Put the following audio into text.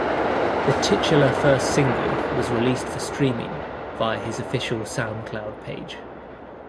The titular first single was released for streaming via his official Soundcloud page.